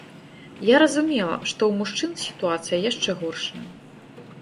Я разумела, што ў мужчын сітуацыя яшчэ горшая.